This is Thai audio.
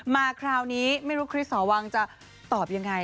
มาคราวนี้ไม่รู้คริสหอวังจะตอบยังไง